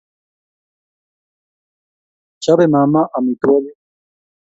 Chobe mama amitwogik